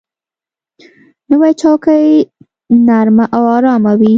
نوې چوکۍ نرمه او آرامه وي